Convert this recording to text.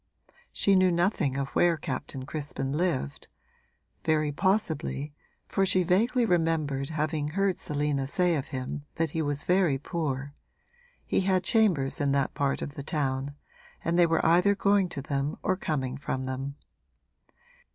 She knew nothing of where Captain Crispin lived; very possibly for she vaguely remembered having heard Selina say of him that he was very poor he had chambers in that part of the town, and they were either going to them or coming from them.